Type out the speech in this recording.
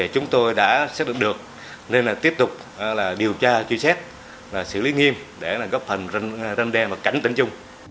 chúng tôi đã xác định được nên tiếp tục điều tra truy xét xử lý nghiêm để góp phần răng đen và cảnh tỉnh chung